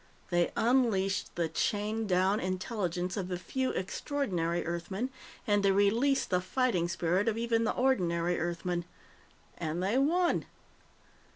They unleashed the chained down intelligence of the few extraordinary Earthmen, and they released the fighting spirit of even the ordinary Earthmen. And they won!"